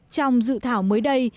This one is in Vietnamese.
trong dự thảo mới đây